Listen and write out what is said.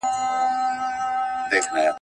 د مهارتونو زده کړه د ټولنیز پرمختګ سبب ګرځي.